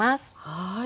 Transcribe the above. はい。